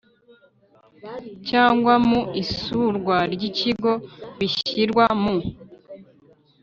cyangwa mu isurwa ry ikigo bishyirwa mu